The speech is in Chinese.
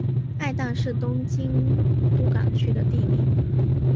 爱宕是东京都港区的地名。